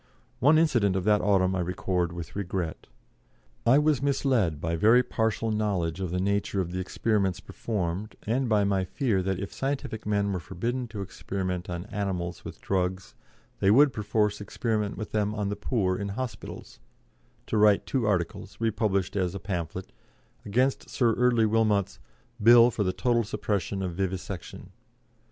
One incident of that autumn I record with regret. I was misled by very partial knowledge of the nature of the experiments performed, and by my fear that if scientific men were forbidden to experiment on animals with drugs they would perforce experiment with them on the poor in hospitals, to write two articles, republished as a pamphlet, against Sir Eardley Wilmot's Bill for the "Total Suppression of Vivisection."